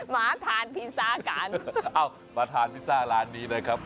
มาทานพิซซ่ากันเอ้ามาทานพิซซ่าร้านนี้นะครับ